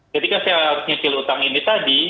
ketika saya harus nyicil utang ini tadi